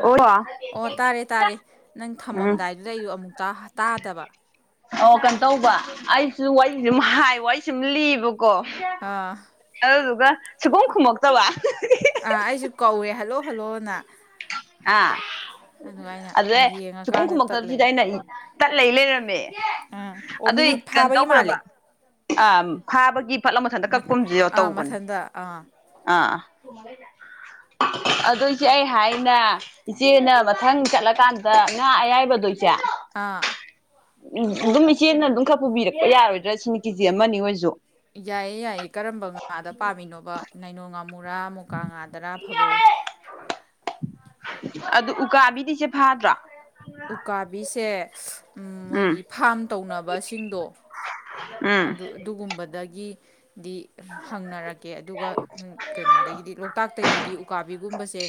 ꯑꯣ ꯑꯣ ꯇꯥꯔꯦ ꯇꯥꯔꯦ ꯅꯪ ꯎꯝ ꯊꯝꯃꯝꯗꯥꯏꯗꯨꯗ ꯑꯩꯖꯨ ꯑꯃꯨꯛ ꯇꯥ ꯇꯥꯗꯕ ꯑꯣ ꯀꯅꯣ ꯇꯧꯕ ꯑꯩꯁꯨ ꯋꯥꯔꯤꯁꯦ [unintelligible] ꯍꯥꯏ ꯋꯥꯔꯤ ꯁꯦ ꯁꯨꯝ ꯂꯤ ꯀꯣ ꯑꯥ ꯑꯗꯨꯗꯨꯒ ꯁꯨꯛꯈꯨꯝ ꯈꯨꯝꯃꯛꯇꯕ ꯑ ꯑꯩꯖꯨ ꯀꯧꯑꯦ ꯍꯜꯂꯣ ꯍꯜꯂꯣꯅ ꯑꯥ ꯑꯗꯨꯒ ꯑꯩꯅ ꯑꯗꯨꯗꯩ ꯁꯨꯈꯨꯝ ꯌꯦꯡꯉꯀꯥꯟꯗ ꯇꯠ ꯈꯨꯝꯃꯛꯇꯞꯖꯤꯗ ꯂꯩꯔꯝꯃꯦ ꯑꯩꯅ ꯇꯠꯂꯩ ꯂꯩꯔꯝꯃꯦ ꯑꯥ ꯑꯣ ꯑꯗꯨꯏ ꯃꯤꯅꯤꯠ ꯀꯩꯅꯣ ꯐꯥꯕꯒꯤ ꯃꯥꯜꯂꯤ ꯇꯧꯒ꯭ꯔꯕ ꯑꯥ ꯐꯥꯕꯒꯤ ꯐꯠꯂꯥꯎ ꯃꯊꯟꯗ ꯀꯛꯄꯝꯖꯨ [unintelligible] ꯑꯥ ꯇꯧꯕꯅꯦ ꯃꯊꯟꯗ ꯑꯥ ꯑꯥ ꯑꯗꫭ ꯏꯆꯦ ꯑꯩ ꯍꯥꯏ ꯅ ꯏꯆꯦꯅ ꯃꯊꯪ ꯆꯠꯂꯀꯥꯟꯗ ꯉꯥ ꯑꯌꯥꯏꯕꯗꯣ ꯏꯆꯦ ꯑꯥ ꯎꯝ ꯑꯗꯨꯝ ꯏꯆꯦꯅ ꯑꯗꯨꯝ ꯈꯔ ꯄꯨꯕꯤꯔꯛꯄ ꯌꯥꯔꯣꯏꯗ꯭ꯔ ꯁꯤꯅꯤ ꯀꯦꯖꯤ ꯑꯃꯅꯤ ꯑꯣꯏꯖꯨ ꯌꯥꯏꯌꯦ ꯌꯥꯏꯌꯦ ꯀꯔꯝꯕ ꯉꯥꯗ ꯄꯥꯝꯃꯤꯅꯣꯕ ꯅꯥꯏꯅꯣ ꯉꯥꯝ ꯃꯨꯔ ꯃꯨꯀꯥ ꯉꯥꯗꯔ ꯐꯥꯕꯧ ꯑꯗꯨ ꯎꯀꯥꯕꯤꯗꯤ ꯏꯆꯦ ꯐꯥꯗ꯭ꯔꫭ ꯎꯀꯥꯕꯤꯁꯦ ꯎꯝ ꯃꯣꯏꯒꯤ ꯐꯥꯝ ꯇꯧꯅꯕꯁꯤꯡꯗꯣ ꯎꯝ ꯑꯗꯨ ꯑꯗꯨꯒꯨꯝꯕꯗꯒꯤ ꯗꯤ ꯍꯪꯅꯔꯛꯀꯦ ꯑꯗꯨꯒ ꯀꯩꯅꯣꯗꯒꯤꯗꯤ ꯂꯣꯛꯇꯥꯛꯇꯒꯤꯗꯤ ꯎꯀꯥꯕꯤꯒꯨꯝꯕꯁꯦ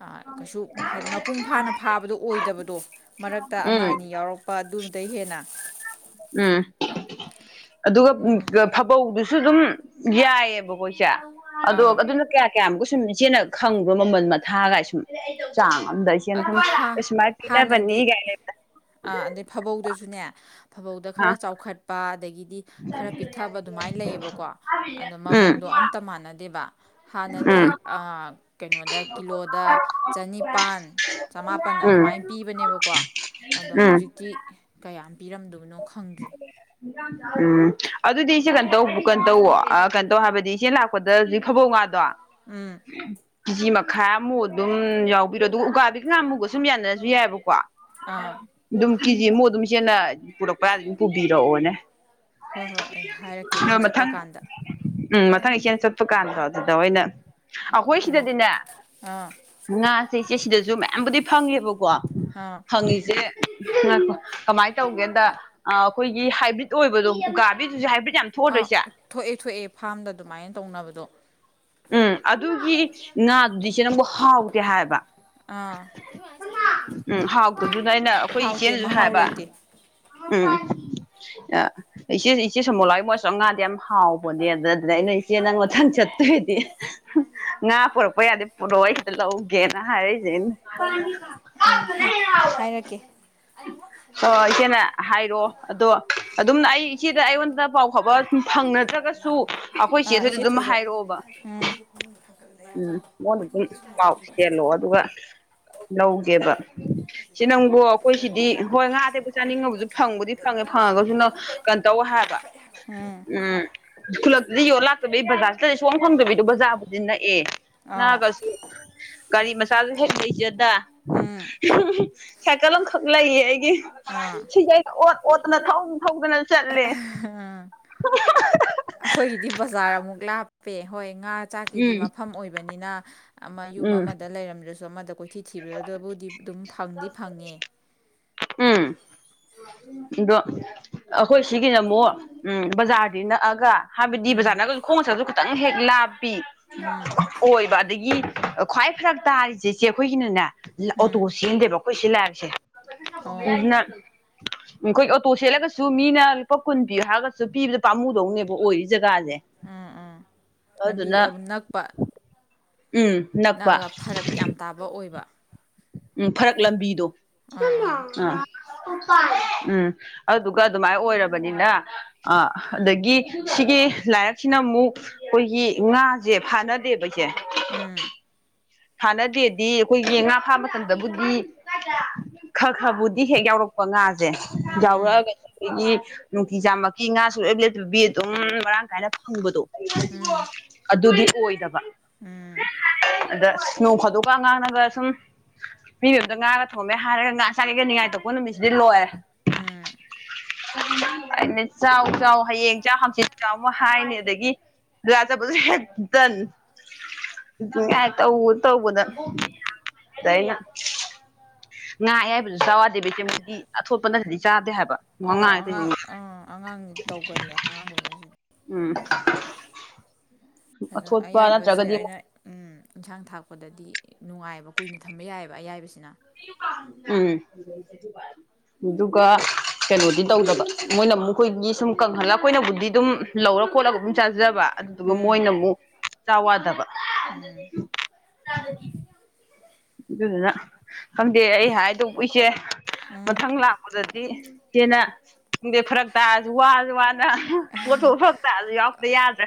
ꯑ ꯀꯩꯁꯨ ꯍꯥꯏꯗꯤ ꯃꯄꯨꯡ ꯐꯥꯅ ꯐꯥꯕꯗꯣ ꯑꯣꯏꯗꯕꯗꯣ ꯃꯔꯛꯇ ꯎꯝ ꯑꯃ ꯑꯅꯤ ꯌꯥꯎꯔꯛꯄ ꯑꯗꯨ ꯗꯩ ꯍꯦꯟꯅ ꯎꯝ ꯑꯗꯨꯒ ꯑꯗꯨꯃꯥꯏ ꯐꯥꯕꯧꯗꯨ ꯁꯨ ꯗꯨꯝ ꯌꯥꯏꯌꯦꯕꯀꯣ ꯏꯆꯦ ꯑꯗꯣ ꯑꯥ ꯑꯗꯨꯅ ꯀꯌꯥ ꯀꯌꯥꯃꯨꯛꯀꯁꯨꯝ ꯏꯆꯦꯅ ꯈꯪꯕ꯭ꯔꫭ ꯃꯃꯜ ꯃꯊꯥꯒꯥꯏ ꯁꯨꯝ ꯆꯥꯡ ꯑꯗꯨꯗ ꯏꯆꯦꯅ ꯁꯨꯝ ꯁꯨꯃꯥꯏꯅ ꯄꯤꯅꯕꯅꯤ ꯍꯥꯟꯅꯗꯤ ꯒꯥꯏ ꯁꯨꯅꯦ ꯐꯥꯕꯧꯗ ꯈꯔ ꯆꯥꯎꯈꯠꯄ ꯑꯗꯒꯤꯗꯤ ꯈꯔ ꯄꯤꯛꯊꯕ ꯑꯗꯨꯝꯃꯥꯏ ꯂꯩꯌꯦꯕꯀꯣ ꯑꯗ ꯎꯝ ꯃꯃꯟꯗꯣ ꯑꯝꯇ ꯃꯥꯟꯅꯗꯦꯕ ꯎꯝ ꯍꯥꯟꯅꯗꯤ ꯑ ꯀꯩꯅꯣꯗ ꯀꯤꯂꯣꯗ ꯆꯅꯤꯄꯥꯟ ꯆꯃꯥꯄꯟ ꯎꯝ ꯑꯗꯨꯝꯃꯥꯏ ꯄꯤꯕꯅꯦꯕꯀꯣ ꯑꯗꯣ ꯎꯝ ꯍꯧꯖꯤꯛꯇꯤ ꯀꯌꯥꯝ ꯄꯤꯔꯝ ꯗꯧꯕꯅꯣ ꯈꯪꯗ꯭ꯔꯤ ꯎꯝ ꯑꯗꯨꯗꯤ ꯏꯆꯦ ꯀꯩꯅꯣ [unintelligible] ꯀꯅꯣ ꯇꯧꯋꫭ ꯀꯅꯣ ꯇꯧ ꯍꯥꯏꯕꯗꯤ ꯏꯆꯦ ꯂꯥꯛꯄꯗ ꯍꯧꯖꯤꯛ ꯐꯥꯕꯧ ꯉꯥꯗꯣ ꯎꯝ ꯀꯦꯖꯤ ꯃꯈꯥꯃꯨꯛ ꯑꯗꯨꯝ ꯌꯥꯎꯕꯤꯔꯣ ꯑꯗꯨꯒ ꯎꯀꯥꯕꯤ ꯉꯥꯃꯨꯒꯁꯨꯝ ꯌꯥꯅꯔꯁꯨ ꯌꯥꯏꯌꯦꯕꯀꯣ ꯑꯥ ꯑꯗꯨꯝ ꯀꯦꯖꯤ ꯑꯃꯨꯛ ꯑꯗꯨꯝ ꯏꯆꯦꯅ ꯄꯨꯔꯛꯄ ꯌꯥꯔꯗꯤ ꯑꯗꯨꯝ ꯄꯨꯕꯤꯔꯛꯑꯣꯅꯦ ꯍꯣꯏ ꯍꯣꯏ ꯑꯩ ꯍꯥꯏꯔꯛꯀꯦ ꯑꯗꯣ ꯌꯨꯝ ꯆꯠꯄ ꯃꯊꯪ ꯀꯥꯟꯗ ꯎꯝ ꯃꯊꯪ ꯏꯆꯦꯅ ꯆꯠꯄ ꯀꯥꯟꯗꫭ ꯑꯗꯨꯗ ꯑꯣꯏꯅ ꯑꯈꯣꯏ ꯎꯝ ꯁꯤꯗꯗꯤꯅꯦ ꯑꯥ ꯉꯥꯁꯦ ꯏꯆꯦ ꯁꯤꯗꯁꯨ ꯃꯌꯥꯝꯕꯨꯗꯤ ꯐꯪꯉꯦꯕ ꯀꯣ ꯑꯥ ꯐꯪꯉꯤꯖꯦ ꯉꯥꯢꯈꯣ ꯀꯃꯥꯏ ꯇꯧꯒꯦꯗ ꯑꯥ ꯑꯈꯣꯏꯒꯤ ꯍꯥꯏꯕ꯭ꯔꯤꯠ ꯑꯣꯏꯕꯗꯣ ꯎꯀꯥꯚꯤꯁꯤꯖꯨ ꯍꯥꯏꯕ꯭ꯔꯤꯠ ꯌꯥꯝ ꯊꯣꯛꯑꯗ꯭ꯔꯣ ꯑꯥ ꯏꯆꯦ ꯊꯣꯛꯑꯦ ꯊꯣꯛꯑꯦ ꯐꯥꯔꯝꯗ ꯑꯗꯨꯃꯥꯏꯟ ꯇꯧꯅꯕꯗꯣ ꯎꯝ ꯑꯗꯨꯒꯤ ꯉꯥꯗꯨꯗꯤ ꯏꯆꯦ ꯅꯪꯕꯨ ꯍꯥꯎꯇꯦ ꯍꯥꯏꯕ ꯑꯥ ꯎꯝ ꯍꯥꯎꯇꯗꯨꯅ ꯑꯩꯅ ꯑꯈꯣꯏ ꯍꯥꯎꯇꯦ ꯏꯆꯦꯅꯖꯨ ꯃꯍꯥꯎ ꯍꯥꯏꯕ ꯂꯩꯇꯦ ꯎꯝ [inaudible] ꯑ ꯏꯆꯦ ꯏꯆꯦ ꯁꯣꯃꯣꯂꯥ ꯍꯣꯏ ꯃꯣꯏ ꯑꯁꯣꯝ ꯉꯥꯗꯤ ꯌꯥꯝ ꯍꯥꯎꯕꯅꯦ ꯑꯗ ꯑꯗꯨꯗ ꯑꯩꯅ ꯏꯆꯦ ꯅꯪ ꯃꯊꯪ ꯆꯠꯇꯨꯢ ꯗꯤ ꯉꯥ ꯄꯨꯔꯛꯄ ꯌꯥꯗꯤ ꯄꯨꯔꯛꯑꯣ ꯑꯩ ꯈꯤꯇ ꯂꯧꯒꯦꯅ ꯍꯥꯏꯔꯩ [unintelligible] ꯎꯝ ꯍꯥꯏꯔꯛꯀꯦ ꯑꯣ ꯏꯆꯦꯅ ꯍꯥꯏꯔꯛꯑꯣ ꯑꯗꯣ ꯑꯗꯨꯝ ꯑꯩ ꯏꯆꯦꯗ ꯑꯩꯉꯣꯟꯗ ꯄꯥꯎ ꯐꯥꯎꯕ ꯁꯨꯝ ꯐꯪꯅꯗ꯭ꯔꯒꯁ ꯁꯨ ꯑꯈꯣꯏ ꯑꯥ ꯆꯦꯊꯣꯏꯗ ꯏꯆꯦ ꯑꯗꯨꯝ ꯊꯣꯏꯗ ꯍꯥꯏꯔꯛꯑꯣꯕ ꯎꯝ ꯎꯝ ꯃꯉꯣꯟꯗ ꯑꯗꯨꯝ ꯄꯥꯎ ꯆꯦꯜꯛꯑꯣ ꯑꯗꯨꯒ ꯂꯧꯒꯦꯕ ꯏꯆꯦ ꯅꯪꯕꯨ ꯑꯩꯈꯣꯏ ꯁꯤꯗꯤ ꯍꯣꯏ ꯉꯥ ꯑꯇꯦꯛꯄ ꯆꯥꯅꯤꯡꯉꯕꯁꯨ ꯐꯪꯕꯨꯗꯤ ꯐꯪꯉꯦ ꯐꯪꯉꯒꯖꯨ ꯅ ꯀꯩꯟꯇꯧꯋꯦ ꯍꯥꯏ ꯕ ꯎꯝ ꯈꯨꯜꯂꯛꯇꯗꯤ ꯌꯣꯜ ꯂꯥꯛꯇꯕꯤ ꯕꯓꯥꯔ ꯆꯠꯇ꯭ꯔꯗꯤ ꯁꯨꯡꯐꯪ ꯐꯪꯗꯕꯤꯗꯣ ꯕꯓꯥꯔꯕꯨꯗꯤ ꯅꯛꯑꯦꯕ ꯑꯥꯎ ꯅꯛꯑꯒꯁꯨ ꯒꯥꯔꯤ ꯃꯆꯥꯖꯨ ꯍꯦꯛ ꯂꯩꯖꯗꯥ ꯎꯝ ꯁꯥꯏꯀꯜ ꯑꯝꯈꯛ ꯂꯩꯌꯦ ꯑꯩꯒꯤ ꯑꯥ ꯁꯤꯖꯦ ꯑꯩꯩꯅ ꯑꯣꯠ ꯑꯣꯠꯇꯅ ꯊꯧ ꯊꯧꯗꯅ ꯆꯠꯂꯦ [unintelligible] ꯑꯈꯣꯏꯒꯤꯗꯤ ꯕꯓꯥꯔ ꯑꯃꯨꯛ ꯂꯥꯞꯄꯦ ꯍꯣꯏ ꯉꯥ ꯆꯥꯛꯀꯤꯗꯤ ꯎꯝ ꯃꯐꯝ ꯑꯣꯏꯕꯅꯤꯅꯥ ꯑꯃ ꯌꯨꯝ ꯎꯝ ꯑꯃꯗ ꯂꯩꯔꯝꯗ꯭ꯔꯁꯨ ꯑꯃꯗ ꯀꯣꯏꯊꯤ ꯊꯤꯕꯗꯗꯕꯨꯗꯤ ꯑꯗꯨꯝ ꯐꯪꯗꯤ ꯐꯪꯉꯦ ꯎꯝ ꯑꯗꯣ ꯑꯈꯣꯏ ꯁꯤꯒꯤꯅ ꯑꯃꯨꯛ ꯎꯝ ꯕꯖꯥꯔꯗꯤ ꯅꯛꯑꯒ ꯍꯥꯏꯕꯗꯤ ꯎꯝ ꯕꯖꯥꯔꯅꯛꯑꯒꯖꯨ ꯈꯣꯡꯅ ꯆꯠꯂꯖꯨ ꯈꯇꯪ ꯍꯦꯛ ꯂꯥꯞꯄꯤ ꯎꯝ ꯑꯣꯏꯕ ꯑꯗꯒꯤ ꯈ꯭ꯋꯥꯏ ꯐꯔꯛ ꯇꯥꯔꯤꯖꯦ ꯏꯆꯦ ꯑꯈꯣꯏꯒꯤꯅꯅꯦ ꯂ ꯎꯝ ꯑꯣꯇꯣ ꯆꯦꯟꯗꯦꯕ ꯑꯈꯣꯏ ꯁꯤ ꯂꯥꯏꯔꯛꯁꯦ ꯑꯣ [unintelligible] ꯑꯈꯣꯏ ꯑꯣꯇꯣ ꯆꯦꯜꯂꯒꯁꯨ ꯃꯤꯅ ꯂꯨꯄꯥ ꯀꯨꯟ ꯄꯤꯌꯨ ꯍꯥꯏꯔꯒꯁꯨ ꯄꯤꯕꯗ ꯄꯥꯝꯃꯨꯗꯧꯅꯦꯕ ꯑꯣꯏꯔꯤꯖꯦ ꯒꯥꯖꯦ ꯎꯝ ꯎꯝ ꯂꯝꯕꯤ ꯑꯗꯨꯗꯨꯅ ꯅꯛꯄ ꯅꯛꯑꯒ ꯐꯔꯛ ꯌꯥꯝ ꯇꯥꯕ ꯑꯣꯏꯕ ꯎꯝ ꯐꯔꯛ ꯂꯝꯕꯤꯗꯣ ꯑꯥ ꯎꯝ ꯑꯗꯨꯒ ꯑꯗꯨꯃꯥꯏ ꯑꯣꯏꯔꯕꯅꯤꯅ ꯑ ꯑꯗꯒꯤ ꯁꯤꯒꯤ ꯂꯥꯏꯔꯛꯁꯤꯅ ꯑꯃꯨꯛ ꯑꯈꯣꯏꯒꯤ ꯉꯥꯖꯦ ꯐꯥꯅꯗꯦꯕ ꯏꯆꯦ ꯎꯝ ꯐꯥꯅꯗꯦꯗꯤ ꯑꯈꯣꯏꯒꯤ ꯉꯥ ꯐꯥ ꯃꯇꯝꯗꯕꯨꯗꯤ ꯈ ꯈꯕꯨꯗꯤ ꯍꯦꯛ ꯌꯥꯎꯔꯛꯄ ꯉꯥꯖ ꯖꯦ ꯎꯝ ꯌꯥꯎꯔꯛꯑꯒꯖꯨ ꯑꯈꯣꯏꯒꯤ ꯅꯨꯡꯇꯤꯖꯥꯃꯛꯀꯤ ꯉꯥ ꯁꯨꯡꯂꯦꯞ ꯂꯦꯞꯇꯕꯤ ꯑꯗꯨꯝ ꯃꯔꯥꯡ ꯀꯥꯏꯅ ꯐꯪꯕꯗꯣ ꯎꯝ ꯎꯝ [unintelligible] ꯑꯗꯨꯗꯤ ꯑꯣꯏꯗꯕ ꯎꯝ ꯑꯗ ꯅꯣꯡ ꯐꯥꯗꯣꯛꯀ ꯑꯉꯥꯡꯅꯒ ꯁꯨꯝ ꯃꯤ ꯃꯌꯨꯝꯗ ꯉꯥꯒ ꯊꯣꯡꯉꯝꯃꯦ ꯍꯥꯏꯔꯒ ꯉꯥ ꯆꯥꯒꯦꯒ ꯅꯤꯡꯉꯥꯏ ꯇꯧꯔꯛꯄ ꯅꯨꯃꯤꯠꯁꯤꯗꯤ ꯂꯣꯏꯔꯦ ꯎꯝ ꯑꯩꯅ ꯆꯥꯎ ꯆꯥꯎ ꯍꯌꯦꯡ ꯆꯥꯎ ꯍꯥꯡꯆꯤꯠ ꯆꯥꯎ ꯑꯃ ꯍꯥꯏꯅꯤ ꯑꯗꯒꯤ ꯕꯓꯥꯔ ꯆꯠꯄꯖꯨ ꯍꯦꯛ ꯇꯟ [unintelligible] ꯇꯧꯕꯗ ꯇꯧꯕꯗ ꯑꯗ ꯑꯩꯅ ꯉꯥ ꯑꯌꯥꯏꯕꯖꯨ ꯆꯥꯎ ꯌꯥꯗꯦ ꯕꯤꯇꯃꯤꯠꯀꯤ ꯑꯊꯣꯠꯄ ꯅꯇ꯭ꯔꯗꯤ ꯆꯥꯗꯦ ꯍꯥꯏꯕ ꯑꯧ ꯉꯥ ꯑꯉꯥꯡ ꯑꯥ ꯑꯉꯥꯡꯒꯤ ꯇꯧꯒꯜꯂꯤ ꯑꯉꯥꯡꯒꯨꯝꯕꯖꯤ ꯎꯝ ꯑꯗꯣ ꯑꯊꯣꯠꯄ ꯑꯌꯥꯏꯕꯁꯦ ꯅꯠꯇ꯭ꯔꯒꯗꯤ ꯑꯃꯨꯛ ꯑꯩꯅ ꯎꯝ ꯏꯟꯁꯥꯡ ꯊꯥꯛꯄꯗꯗꯤ ꯅꯨꯡꯉꯥꯏꯑꯕ ꯀꯨꯏꯅ ꯊꯝꯕ ꯌꯥꯏꯑꯕ ꯑꯌꯥꯏꯕꯁꯤꯅ ꯎꯝ ꯑꯗꯨꯒ ꯀꯩꯅꯣꯗꯤ ꯇꯧꯗꯕ ꯃꯣꯏꯅ ꯑꯃꯣꯏꯒꯤ ꯁꯨꯝ ꯀꯪꯍꯜꯂꯒ ꯑꯩꯈꯣꯏꯅꯕꯨꯗꯤ ꯑꯗꯨꯝ ꯂꯧꯔ ꯈꯣꯠꯂꯒ ꯑꯗꯨꯝ ꯆꯥꯖꯕ ꯑꯗꯨꯗꯨꯒ ꯎꯝ ꯃꯣꯏꯅ ꯑꯃꯨꯛ ꯆꯥ ꯋꯥꯗꯕ ꯎꯝ ꯑꯗꯨꯗꯨꯅ ꯈꯪꯗꯦ ꯑꯩ ꯍꯥꯏꯗꯧꯕ ꯏꯁꯦ ꯎꯝ ꯃꯊꯪ ꯂꯥꯛꯄꯗꯗꯤ ꯍꯦꯟꯅ ꯈꯪꯗꯦ ꯐꯔꯛ ꯇꯥꯔꯁꯨ ꯋꯥꯁꯨ ꯋꯥꯅ ꯄꯣꯠꯊꯣꯛ ꯐꯔꯛ ꯇꯥꯔꯁꯨ ꯌꯥꯎꯔꯛꯇ ꯌꯥꯗ꯭ꯔꯦ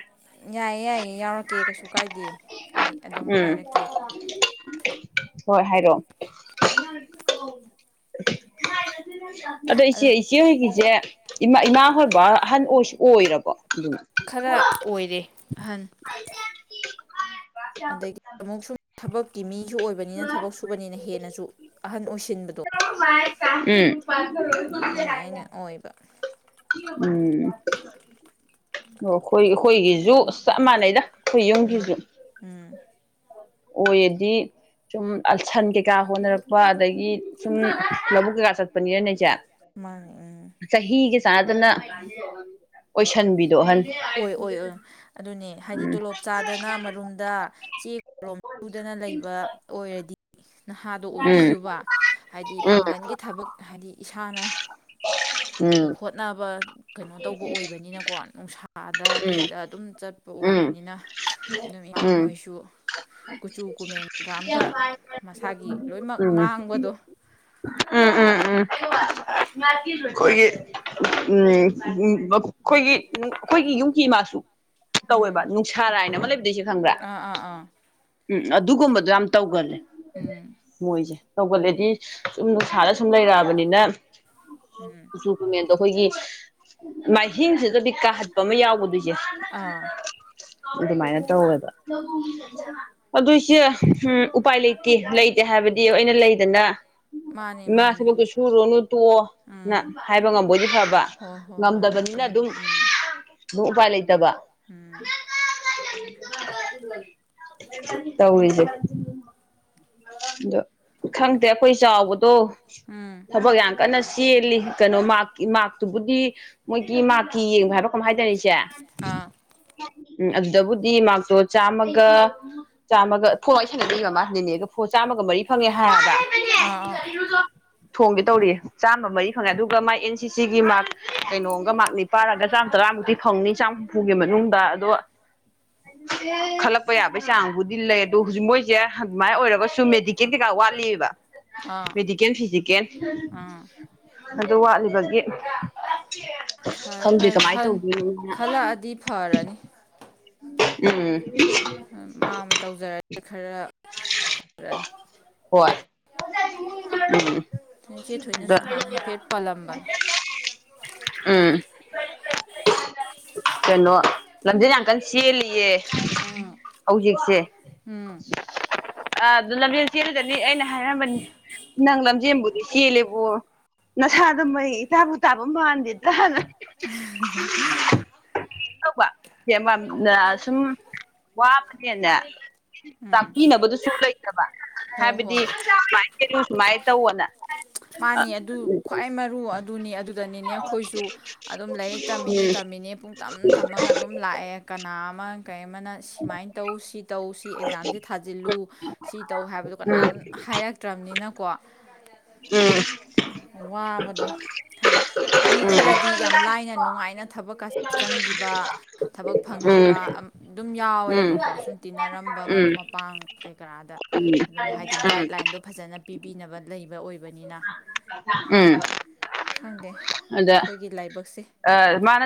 ꯌꯥꯏꯌꯦ ꯌꯥꯏꯌꯦ ꯌꯥꯎꯔꯛꯀꯦ ꯀꯩꯁꯨ ꯀꯥꯏꯗꯦ ꯑꯩ ꯑꯗꯨꯝ ꯎꯝ ꯍꯥꯏꯔꯛꯀꯦ ꯍꯣꯏ ꯍꯥꯏꯔꯣꯑꯣ ꯑꯗꯣ ꯏꯆꯦ ꯑꯗꯨꯝ ꯏꯆꯦ ꯍꯣꯏꯒꯤꯁꯦꯃꯥ ꯏꯃꯥ ꯍꯣꯏꯕ ꯑꯍꯟ ꯑꯣꯏꯁꯨ ꯑꯣꯏꯔꯕꯣ ꯑꯗꯨꯝ ꯈꯔ ꯑꯣꯏꯔꯦ ꯑꯍꯟ ꯑꯗꯒꯤ ꯑꯃꯨꯛ ꯁꯨꯝ ꯊꯕꯛꯀꯤ ꯃꯤꯁꯨ ꯑꯣꯏꯕꯅꯤꯅ ꯊꯕꯛ ꯁꯨꯕꯅꯤꯅ ꯍꯦꯟꯅꯁꯨ ꯑꯍꯟ ꯑꯣꯏꯁ ꯎꯝ ꯑꯗꯨꯃꯥꯏꯅ ꯑꯣꯏꯕ ꯎꯝ ꯑꯣ ꯑꯩꯈꯣꯏ ꯑꯩꯈꯣꯏꯒꯤꯁꯨ ꯆꯞ ꯃꯥꯟꯅꯩꯗ ꯑꯩꯈꯣꯏ ꯎꯝ ꯌꯨꯝꯒꯤꯁꯨ ꯎꯝ ꯑꯣꯏꯔꯗꯤ ꯁꯨꯝ ꯑꯜ ꯁꯟ ꯀꯩꯀꯥ ꯍꯣꯠꯅꯔꯛꯄ ꯑꯗꯒꯤ ꯁꯨꯝ ꯂꯧꯕꯨꯛ ꯀꯩꯀꯥ ꯆꯠꯄꯅꯤꯅ ꯏꯆꯦ ꯃꯥꯅꯤ ꯎꯝ ꯆꯍꯤꯒ ꯆꯥꯅꯗꯅ ꯑꯣꯏꯁꯤꯟꯕꯤꯗꯣ ꯑꯍꯟ ꯍꯣꯏ ꯑꯣꯏ ꯑꯣꯏ ꯑꯗꯨꯅꯦ ꯍꯥꯏꯗꯤ ꯎꯝ ꯇꯣꯂꯣꯞ ꯆꯥꯗꯅ ꯃꯔꯨꯝꯗ ꯆꯦ ꯁꯨꯗꯅ ꯂꯩꯕ ꯑꯣꯏꯔꯗꯤ ꯅꯍꯥꯗꯣ ꯎꯝ ꯑꯣꯏꯈꯤꯗꯨꯕ ꯍꯥꯏꯗꯤ ꯄꯥꯡꯒꯜꯒꯤ ꯊꯕꯛ ꯍꯥꯏꯗꯤ ꯏꯁꯥꯅ ꯎꯝ ꯍꯣꯠꯅꯕ ꯀꯩꯅꯣ ꯇꯧꯕ ꯑꯣꯏꯕꯅꯤꯅꯀꯣ ꯅꯨꯡꯁꯥꯗ ꯎꯝ ꯀꯩꯗ ꯑꯗꯨꯝ ꯆꯠ ꯎꯝ ꯑꯣꯏꯕꯅꯤꯅ ꯑꯗꯨꯅ ꯏꯃꯥ ꯎꯝ ꯎꯝ ꯍꯣꯏꯁꯨ ꯀꯨꯆꯨ ꯀꯨꯃꯦꯟꯒ ꯑꯃꯝꯇ ꯃꯁꯥꯒꯤ ꯂꯣꯏꯅꯃꯛ ꯎꯝ ꯃꯥꯡꯕꯗꯣ ꯎꯝ ꯎꯝ ꯎꯝ ꯑꯩꯈꯣꯏꯒꯤ ꯎꯝ ꯑꯩꯈꯣꯏꯒꯤ ꯑꯩꯈꯣꯏꯒꯤ ꯌꯨꯝꯒꯤ ꯏ ꯃꯥꯁꯨ ꯇꯧꯋꯦꯕ ꯅꯨꯡꯁꯥꯔꯥꯏ ꯍꯥꯏꯅ ꯑꯃ ꯂꯩꯕꯗꯣꯏ ꯏꯆꯦ ꯈꯪꯕ꯭ꯔꯥ ꯑꯥ ꯑꯥ ꯑꯥ ꯎꯝ ꯑꯗꯨꯒꯨꯝꯕꯗꯣ ꯌꯥꯝ ꯇꯧꯒꯜꯂꯦ ꯎꯝ ꯃꯣꯏꯁꯦ ꯇꯧꯒꯜꯂꯦꯗꯤ ꯁꯨꯝꯗ ꯅꯨꯡꯁꯥꯗ ꯁꯨꯝ ꯂꯩꯔꯛꯑꯕꯅꯤꯅ ꯀꯨꯆꯨ ꯀꯨꯃꯦꯟ ꯑꯣ ꯑꯩꯈꯣꯏꯒꯤ ꯃꯥꯏꯍꯤꯡꯁꯤꯗꯗꯤ ꯀꯥꯍꯠꯄ ꯑꯃ ꯌꯥꯎꯒꯗꯣ ꯏꯆꯦ ꯑꯥ ꯑꯗꯨꯃꯥꯏꯅ ꯇꯧꯋꯦꯕ ꯑꯗꯨ ꯏꯆꯦ ꯎꯝ ꯎꯄꯥꯏ ꯂꯩꯇꯦ ꯂꯩꯇꯦ ꯍꯥꯏꯕꯗꯤ ꯑꯩꯅ ꯂꯩꯗꯅ ꯃꯥꯅꯤ ꯏꯃꯥ ꯃꯥꯅꯤ ꯊꯕꯛꯇꯨ ꯁꯨꯔꯅꯨ ꯇꯣꯛꯑꯣꯅ ꯎꯝ ꯍꯥꯏꯕ ꯉꯝꯕꯣꯏꯗꯤ ꯐꯕ ꯉꯝꯗꯕ ꯃꯇꯦꯡ ꯎꯝ ꯑꯗꯣ ꯎꯄꯥꯥꯏ ꯂꯩꯇꯕ ꯎꯝ ꯇꯧꯔꯤꯁꯦ ꯑꯗꯣ ꯈꯪꯗꯦ ꯑꯩꯈꯣꯏ ꯆꯥꯎꯕꯗꯣ ꯎꯝ ꯊꯕꯛ ꯌꯥꯝ ꯀꯟꯅ ꯆꯦꯜꯂꯤ ꯀꯩꯅꯣ ꯃꯥꯔ ꯃꯥꯔꯛꯇꯨꯕꯨꯗꯤ ꯃꯣꯏꯒꯤ ꯃꯥꯔꯀꯤ ꯌꯦꯡꯕ ꯍꯥꯏꯕ ꯀꯩꯅꯣꯝꯍꯥꯏꯗꯥꯏꯅꯦ ꯆꯦ ꯑꯥ ꯎꯝ ꯑꯗꯨꯗꯕꯨꯗꯤ ꯃꯥꯛꯇꯣ ꯆꯥꯝꯃꯒ ꯆꯥꯝꯃꯒ ꯐꯣꯟ ꯋꯥꯔꯤ ꯁꯥꯟꯅꯔꯤ ꯃꯃꯥ ꯅꯦꯅꯦꯒ ꯐꯣ ꯆꯥꯝꯃꯒ ꯃꯔꯤ ꯐꯪꯉꯦ ꯍꯥꯏꯑꯦꯕ ꯑꯥ ꯑꯥ ꯊꯣꯡꯒꯦ ꯇꯧꯔꯤ ꯆꯥꯝꯃ ꯃꯔꯤ ꯐꯪꯉꯦ ꯑꯗꯨꯒ ꯃꯥꯥꯏ ꯑꯦꯟ ꯁꯤ ꯁꯤ ꯒꯤ ꯃꯥꯔꯛ ꯀꯩꯅꯣꯝꯒ ꯃꯥꯔꯛ ꯅꯤꯄꯥꯟ ꯑꯝꯒ ꯆꯥꯝꯇꯔꯥꯃꯨꯛꯇꯤ ꯐꯪꯅꯤ ꯆꯥꯝ ꯍꯨꯝꯐꯨꯒꯤ ꯃꯅꯨꯡꯗ ꯑꯗꯣ ꯈꯜꯂꯛꯄ ꯌꯥꯕꯩ ꯆꯥꯡꯕꯨꯗꯤ ꯂꯩ ꯑꯗꯣ ꯍꯨꯖꯤꯛ ꯃꯣꯏꯖꯦ ꯑꯗꯨꯃꯥꯏ ꯑꯣꯏꯔꯒꯁ ꯁꯨ ꯃꯦꯗꯤꯀꯦꯟ ꯀꯩꯀꯥ ꯋꯥꯠꯂꯤꯕ ꯑꯥ ꯃꯦꯗꯤꯀꯦꯟ ꯐꯤꯖꯤꯀꯦꯟ ꯑꯥ ꯑꯗꯨ ꯋꯥꯠꯂꯤꯕꯒꯤ ꯐꯔꯦ ꯈꯪꯗꯦ ꯐꯔꯦ ꯀꯃꯥꯏꯅ ꯈꯟ ꯇꯧꯗꯣꯏꯅꯣꯅ ꯈꯜꯂꯛꯑꯗꯤ ꯐꯔꯅꯤ ꯎꯝ ꯃꯥ ꯑꯝ ꯇꯧꯖꯔꯗꯤ ꯈꯔ ꯐꯔꯅꯤ ꯍꯣꯏ [inaudible] [unintelligible] ꯅ ꯏꯆꯦ ꯗ ꯊꯣꯏꯅꯁꯨ ꯅꯍꯥꯟꯅ ꯍꯥꯏꯐꯦꯠ ꯄꯜꯂꯝꯕꯅꯦ ꯎꯝ ꯀꯅꯣ ꯂꯝꯖꯦꯟ ꯌꯥꯝ ꯀꯟ ꯆꯦꯜꯂꯤꯌꯦ ꯎꯝ ꯍꯧꯖꯤꯛꯁꯦ ꯎꯝ ꯑꯗꯨ ꯂꯝꯖꯦꯟ [unintelligible] ꯑꯩꯅ ꯍꯥꯏꯔꯝꯕꯅꯤ ꯅꯪ ꯂꯝꯖꯦꯟꯕꯨꯗꯤ ꯆꯦꯜꯂꯦꯕꯣ ꯅꯁꯥꯗꯣ ꯃꯌꯦꯡ ꯏꯇꯥꯥꯕꯨ ꯇꯥꯕ ꯃꯥꯟꯗꯦꯗꯅ [unintelligible] ꯁꯨꯝ ꯋꯥꯕꯅꯦꯅ ꯇꯥꯛꯄꯤꯅꯕꯗꯨꯁꯨ ꯂꯩꯇꯕ ꯍꯣꯏ ꯍꯥꯏꯕꯗꯤ ꯍꯣꯏ ꯁꯨꯃꯥꯏ ꯆꯦꯜꯂꯨ ꯁꯨꯃꯥꯏ ꯇꯧꯅ ꯑꯅ ꯃꯥꯅꯦ ꯑꯗꯨ ꯈ꯭ꯋꯥꯏ ꯃꯔꯨ ꯑꯗꯨꯅꯦ ꯑꯗꯨ ꯗꯨꯗꯅꯤꯅꯦ ꯑꯈꯣꯏꯁꯨ ꯑꯗꯨꯝ ꯂꯥꯏꯔꯤꯛ ꯇꯝꯃꯤꯅꯦ ꯎꯝ ꯇꯝꯃꯤꯅꯦ ꯄꯨꯡ ꯇꯝ ꯇꯝꯃꯒ ꯑꯗꯨꯝ ꯂꯥꯛꯑꯦ ꯀꯅꯥ ꯑꯃ ꯀꯩ ꯑꯃꯅ ꯁꯤꯃꯥꯏꯟ ꯇꯧ ꯁꯤ ꯇꯧ ꯁꯤ ꯑꯦꯛꯖꯥꯝꯖꯤ ꯊꯥꯖꯤꯜꯂꯨ ꯁꯤ ꯇꯧ ꯍꯥꯏꯕꯗꯣ ꯀꯅꯥꯝ ꯎꯝ ꯍ ꯍꯥꯏꯔꯛꯇ꯭ꯔꯝꯅꯤꯅꯀꯣ ꯎꯝ ꯋꯥꯕꯗꯣ ꯍꯥꯏꯗꯤ ꯃꯤ ꯈꯔꯗꯤ ꯌꯥꯝ ꯂꯥꯏꯅ ꯅꯨꯡꯉꯥꯏꯅ ꯊꯕꯛꯀꯁꯦ ꯆꯪꯒꯤꯕ ꯊꯕꯛ ꯐꯪꯒꯤꯕ ꯑꯝ ꯗꯨꯝ ꯎꯝ ꯎꯝ ꯎꯝ ꯌꯥꯎꯋꯦꯕꯀꯣ ꯁꯨꯝ ꯇꯤꯟꯅꯔꯝꯕ ꯃꯔꯨꯞ ꯃꯄꯥꯡ ꯀꯩꯀ꯭ꯔꯥꯗ ꯎꯝ ꯑꯗꯨꯝ ꯍꯥꯏꯗꯤ ꯎꯝ ꯎꯝ ꯒꯥ꯭ꯏꯗꯂꯥ꯭ꯏꯟꯗꯣ ꯐꯖꯅ ꯄꯤꯕꯤꯅꯕ ꯂꯩꯕ ꯑꯣꯏꯕꯅꯤꯅ ꯎꯝ ꯈꯪꯗꯦ ꯑꯗ ꯑꯩꯈꯣꯏꯒꯤ ꯂꯥꯏꯕꯛꯁꯦ ꯑ ꯃꯥꯅ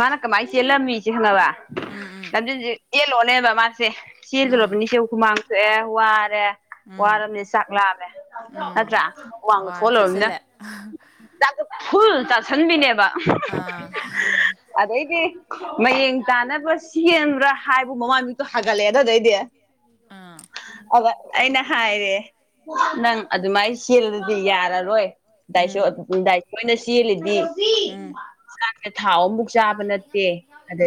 ꯃꯥꯅ ꯀꯃꯥꯏ ꯆꯦꯜꯂꯝꯃꯤ ꯆ ꯏꯪꯉꯥꯕ ꯎꯝ ꯎꯝ ꯂꯝꯖꯦꯟꯖꯦ ꯆꯦꯜꯂꯣꯅꯦꯕ ꯃꯥꯁ ꯁꯦ ꯎꯝ ꯆꯦꯜꯂꯨꯔꯕꯅꯤ ꯁꯦ ꯈꯨꯨꯃꯥꯡ ꯊꯣꯛꯑꯦ ꯋꯥꯔꯦ ꯎꯝ ꯋꯥꯔꯕꯅꯤ ꯆꯥꯛ ꯂꯥꯝꯃꯦ ꯎꯝ ꯅꯠꯇ꯭ꯔꯥ ꯍꯨꯃꯥꯡꯗꯣ ꯍꯋꯥꯏ ꯊꯣꯛꯍꯜꯂꯨ꯭ꯔꯝꯅꯤꯅ ꯆꯥꯁꯤꯜꯂꯦ ꯆꯥꯛ ꯇꯣ ꯐꯨꯜ ꯆꯥꯁꯟꯕꯤꯅꯦꯕ ꯑꯥ ꯑꯗꯩꯗꯤ ꯃꯌꯦꯡ ꯇꯥꯅꯕ ꯁꯦꯝꯕ꯭ꯔꯥ ꯍꯥꯏꯕ ꯕꯨ ꯃꯃꯥꯏ ꯃꯤꯇꯣ ꯍꯥꯒꯠꯂꯛꯑꯦꯗꯣ ꯗꯩꯗꯤ ꯑꯥ ꯑꯗ ꯑꯩꯅ ꯍꯥꯏꯔꯦ ꯅꯪ ꯑꯗꯨꯃꯥꯏ ꯆꯦꯜꯂꯗꯤ ꯌꯥꯔꯔꯣꯏ ꯎꯝ [unintelligible] ꯆꯦꯜꯂꯤꯗꯤ ꯎꯝ ꯊꯥꯎ ꯑꯝꯕꯨꯛ ꯆꯥꯕ ꯅꯠꯇꯦ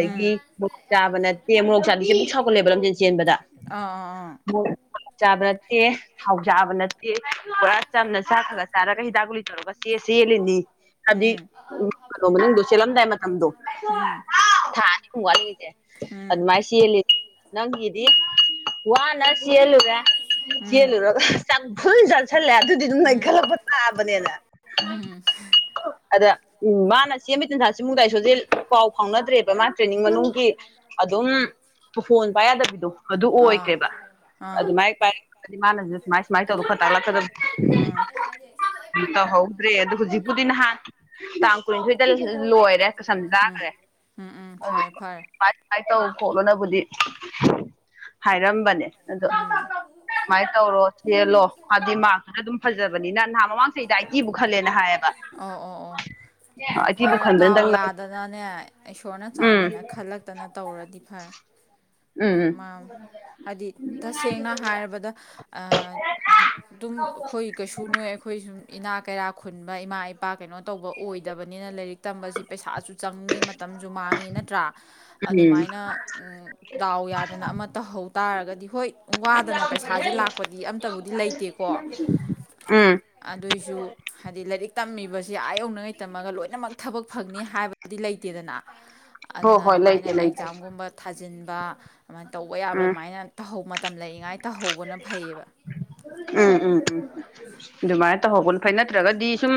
ꯎꯝ ꯃꯣꯔꯣꯛ ꯆꯥꯕ ꯅꯠꯇꯦ ꯃꯣꯔꯣꯛ ꯆꯥꯗꯤꯗꯤ ꯁꯧꯎꯒꯠꯂꯦꯕ ꯂꯝꯖꯦꯟ ꯆꯦ ꯕꯗ ꯑꯥ ꯑꯥ ꯑꯥ ꯃꯣꯛ ꯆꯥꯕ ꯅꯠꯇꯦ ꯊꯥꯎ ꯆꯥꯕ ꯅꯠ ꯆꯦ ꯄꯨꯔꯥ ꯆꯝꯅ ꯆꯥꯛ ꯈ꯭ꯔ ꯈ꯭ꯔ ꯆꯥꯔꯒ ꯍꯤꯗꯥꯛ ꯒꯨꯂꯤ ꯇꯧꯔꯒ ꯆꯦ ꯆꯦꯜꯂꯤꯅꯤ ꯍꯥꯏꯕꯗꯤ ꯎꯝ ꯀꯅꯣ ꯃꯅꯨꯡꯗꯣ ꯆꯦꯜꯂꯝꯗꯥꯏ ꯃꯇꯝꯗꯣ ꯎꯝ ꯊꯥ ꯑꯅꯤ ꯍꯨꯝ ꯋꯥꯠꯂꯤꯁꯦ ꯎꯝ ꯑꯗꯨꯃꯥꯏ ꯆꯦꯂꯤ ꯅꯪꯒꯤꯗꯤ ꯋꯥꯅ ꯆꯦꯂꯨꯔꯦ ꯎꯝ ꯆꯦꯂꯨꯔꯒ ꯆꯥꯛ ꯐꯨꯜ ꯆꯥ ꯁꯜꯂꯦ ꯑꯗꯨꯗꯤ ꯗꯨꯝ ꯎꯝ ꯅꯣꯏꯈꯠꯂꯛꯄ ꯇꯥꯕꯅꯦꯕ ꯎꯝ ꯑꯗ ꯎꯝ ꯃꯥꯅ ꯆꯦꯟꯕꯩ ꯇꯟꯖꯥꯁꯤꯃꯨꯛ ꯗꯥꯏꯁꯣꯁꯦ ꯄꯥꯎ ꯐꯥꯎꯅꯗ꯭ꯔꯦꯕ ꯃꯥ ꯇ꯭ꯔꯦꯅꯤꯡ ꯃꯅꯨꯡꯒꯤ ꯑꯗꯨꯝ ꯐꯣꯟ ꯄꯥꯏꯅꯗꯕꯤꯗꯣ ꯑꯗꯨ ꯑꯥ ꯑꯣꯏꯒ꯭ꯔꯦꯕ ꯑꯥ ꯑꯗꯨꯃꯥꯏ ꯄꯥꯏꯒꯗꯤ ꯃꯥꯅꯁꯨ ꯁꯨꯃꯥꯏ ꯁꯨꯃꯥꯏ ꯎꯝ [unintelligible] ꯇꯧꯍꯧꯗ꯭ꯔꯦ ꯑꯗꯨ ꯍꯨꯖꯤꯛꯄꯨꯗꯤ ꯅꯍꯥꯟ ꯇꯥꯎ ꯀꯨꯟꯅꯤꯊꯣꯏꯗ ꯁꯤꯗ ꯂꯣꯏꯔꯦ ꯀꯁꯝ ꯎꯝ ꯆꯥꯒ꯭ꯔꯦ ꯎꯝ ꯎꯝ ꯐꯔꯦ ꯐꯔꯦ ꯁꯨꯃꯥꯏꯟ ꯁꯨꯃꯥꯏꯟ ꯇꯧ ꯈꯣꯠꯂꯣꯅꯕꯨꯗꯤ ꯍꯥꯏꯔꯝꯕꯅꯦ ꯑꯗꯣ ꯎꯝ ꯁꯨꯃꯥꯏ ꯇꯧꯔꯣ ꯂꯣ ꯍꯥꯗꯤ ꯃꯥꯔꯛꯇꯨꯅ ꯗꯨꯝ ꯐꯖꯕꯅꯤꯅ ꯅ ꯃꯃꯥꯡ ꯆꯍꯤꯗ ꯑꯩꯇꯤꯕꯨꯛ ꯈꯜꯂꯦꯅ ꯍꯥꯏꯌꯦꯕ ꯑꯣ ꯑꯣ ꯑꯣ ꯑꯩꯠꯇꯤꯕꯨ ꯐꯔꯦ ꯗꯥꯎ ꯈꯟꯕꯅ ꯅꯪ ꯌꯥꯗꯅꯅꯦ ꯏꯁꯣꯔꯅ ꯎꯝ ꯆꯥꯟꯗꯅ ꯈꯜꯂꯛꯇꯅ ꯇꯧꯔꯗꯤ ꯐ꯭ꯔꯦ ꯎꯝ ꯍꯥꯏꯗꯤ ꯇꯁꯦꯡꯅ ꯍꯥꯏꯔꯕꯗ ꯑꯥ ꯗꯨꯝ ꯈꯣꯏ ꯀꯩꯁꯨ ꯅꯣꯏ ꯑꯩꯈꯣꯏ ꯁꯨꯝ ꯏꯅꯥ ꯀꯩꯔꯥꯛ ꯈꯨꯟꯕ ꯏꯃꯥ ꯏꯄꯥ ꯀꯩꯅꯣ ꯇꯧꯕ ꯑꯣꯏꯗꯕꯅꯤꯅ ꯂꯩꯏꯔꯤꯛ ꯇꯝꯕꯁꯤ ꯄꯩꯁꯥꯁꯨ ꯆꯪꯉꯤ ꯃꯇꯝꯁꯨ ꯃꯥꯡꯉꯤ ꯅꯠꯇ꯭ꯔꯥ ꯎꯝ ꯑꯗꯨꯃꯥꯏ ꯑꯩꯅ ꯎꯝ ꯗꯥꯎ ꯌꯥꯗꯅ ꯑꯃ ꯇꯍꯧ ꯇꯥꯔꯒꯗꯤ ꯍꯣꯏ ꯋꯥꯗꯅ ꯄꯩꯁꯥꯁꯦ ꯂꯥꯛꯄꯗꯤ ꯑꯝꯇꯕꯨꯗꯤ ꯂꯩꯇꯦꯀꯣ ꯎꯝ ꯑꯗꯨꯏꯁꯨ ꯍꯥꯏꯗꯤ ꯂꯏꯔꯤꯛ ꯇꯝꯃꯤ ꯕꯁꯤ ꯑꯥ ꯌꯧꯅꯉꯩ ꯇꯝꯃꯒ ꯂꯣꯏꯅꯃꯛ ꯊꯕꯛ ꯐꯪꯅꯤ ꯍꯥꯏꯕꯗꯤ ꯂꯩꯇꯦꯗꯅ ꯍꯣꯏ ꯑꯗꯨꯅ ꯍꯣꯏ ꯑꯗꯨꯃꯥꯏꯅ ꯂꯩꯇꯦ ꯂꯩꯇꯦ ꯑꯦꯛꯖꯥꯝꯒꯨꯝꯕ ꯊꯥꯖꯤꯟꯕ ꯑꯃꯥꯏ ꯇꯧꯕ ꯌꯥꯕ ꯎꯝ ꯑꯃꯥꯏꯅ ꯇꯍꯧ ꯃꯇꯝ ꯂꯩꯔꯤꯉꯥꯏ ꯇꯍꯧꯕꯅ ꯐꯩꯌꯦꯕ ꯎꯝ ꯎꯝ ꯎꯝ ꯑꯗꯨꯃꯥꯏ ꯇꯧꯍꯧꯕꯅ ꯐꯩ ꯅꯠꯇ꯭ꯔꯒꯗꯤ ꯁꯨꯝ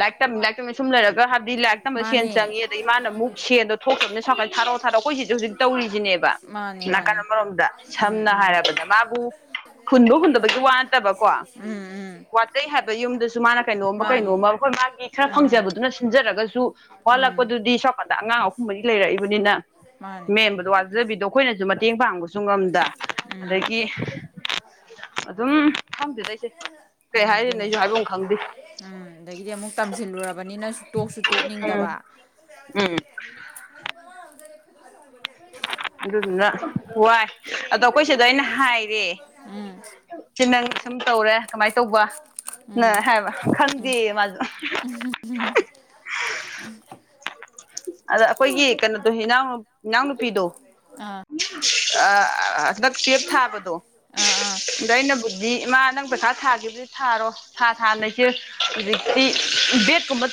ꯂꯥꯏꯔꯤꯛ ꯇꯝ ꯂꯥꯏꯔꯤꯛ ꯇꯝꯃꯤ ꯁꯨꯝ ꯂꯩꯔꯒ ꯍꯥꯏ ꯗꯤ ꯂꯥꯏꯛ ꯇꯝꯕ ꯁꯦꯟ ꯃꯥꯅꯦ ꯆꯪꯉꯤ ꯑꯗꯩ ꯏꯃꯥꯅꯃꯨꯛ ꯁꯦꯟꯗꯣ ꯊꯣꯛꯇ꯭ꯔꯝꯅꯤꯅ ꯁꯣꯝꯀꯟ ꯊꯥꯔꯣ ꯊꯥꯔꯣ ꯈꯣꯏꯖꯤꯁꯨ ꯍꯧꯖꯤꯛ ꯇꯧꯔꯤꯁꯤꯅꯦꯕ ꯃꯥꯅꯦ ꯃꯥ ꯀꯟ ꯑꯃꯔꯣꯝꯗ ꯁꯝꯅ ꯍꯥꯏꯔꯕꯗ ꯃꯥꯕꯨ ꯍꯨꯟꯕ ꯍꯨꯟꯗꯕꯒꯤ ꯋꯥ ꯅꯠꯇꯕꯀꯣ ꯎꯝ ꯎꯝ ꯋꯥꯇꯩꯩ ꯍꯥꯏꯕ ꯌꯨꯝꯗꯁꯨ ꯃꯥꯅ ꯀꯩꯅꯣꯝꯃ ꯃꯥꯅꯦ ꯀꯩꯅꯣꯝꯃ ꯈꯣꯏ ꯃꯥꯒꯤ ꯈꯔ ꯎꯝ ꯐꯪꯖꯕꯗꯨꯅ ꯁꯤꯟꯖꯔꯒꯁꯨ ꯎꯝ ꯋꯥꯠꯂꯛꯄꯗꯨꯗꯤ ꯁꯣꯀꯟꯗ ꯑꯉꯥꯡ ꯑꯍꯨꯝ ꯃꯔꯤ ꯂꯩꯔꯛꯏꯕꯅꯤꯅ ꯃꯥꯅꯦ ꯃꯦꯟꯕꯗꯣ ꯋꯥꯖꯕꯤꯗꯣ ꯑꯈꯣꯏꯅꯁꯨ ꯃꯇ ꯇꯦꯡ ꯄꯥꯡꯕꯁꯨ ꯉꯝꯗ ꯎꯝ ꯑꯗꯒꯤ ꯑꯗꯨꯝ ꯈꯪꯗꯦꯗ ꯏꯆꯦ ꯀꯩ ꯎꯝ ꯍꯥꯏꯗꯣꯏꯅꯣ ꯑꯗꯨꯅꯦ ꯑꯩꯁꯨ ꯍꯥꯏꯕꯝ ꯈꯪꯗꯦ ꯎꯝ ꯑꯗꯒꯤꯗꯤ ꯃꯨꯛ ꯇꯝꯖꯤꯜꯂꯨꯔꯕꯅꯤꯅ ꯇꯣꯛꯁꯨ ꯇꯣꯛꯅꯤꯡꯗꯕ ꯎꯝ ꯎꯝ ꯑꯗꯨꯗꯨꯅ ꯋꯥꯏ ꯑꯗꯣ ꯑꯈꯣꯏ ꯁꯤꯗ ꯑꯩꯅ ꯍꯥꯏꯔꯦ ꯎꯝ [unintelligible] ꯇꯧꯔꯦ ꯀꯃꯥꯏ ꯇꯧꯕ ꯅ ꯎꯝ ꯍꯥꯏꯕ ꯈꯪꯗꯦꯌꯦ ꯃꯥꯖꯨ [inaudible] ꯑꯗꫭ ꯑꯈꯣꯏꯒꯤ ꯀꯩꯅꯣꯗꯣ ꯍꯤꯅꯥꯎ ꯏꯅꯥꯎꯅꯨꯄꯤꯗꯣ ꯑꯥ ꯑꯑꯥ ꯍꯟꯗꯛ ꯇꯨꯏꯋꯦꯞ ꯊꯥꯕꯗꯣ ꯑꯥ ꯑꯥ ꯑꯗ ꯑꯩꯅꯕꯨ ꯗꯤ ꯏꯃꯥ ꯅꯪ ꯄꯩꯈꯥ ꯊꯥꯒꯦꯁꯨ ꯊꯥꯔꯣ ꯊꯥ ꯊꯥꯅꯖꯨ ꯍꯧꯖꯤꯛꯇꯤ ꯕꯦꯠꯀꯨꯝꯕ ꯇꯥ